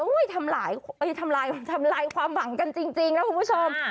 ทำลายทำลายความหวังกันจริงนะคุณผู้ชม